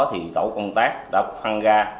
thì tổ công tác đã phân ra